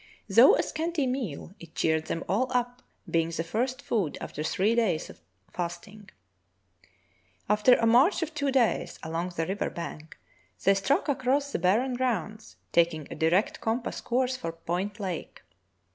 Though a scanty meal, it cheered them all up, being the first food after three days of fasting. Franklin on the Barren Grounds 23 After a march of two days along the river bank, they struck across the barren grounds, taking a direct com pass course for Point Lake.